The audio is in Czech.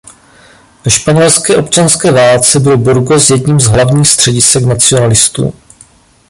Ve španělské občanské válce byl Burgos jedním z hlavních středisek nacionalistů.